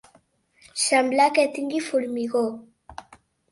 Semblar que tingui formigó.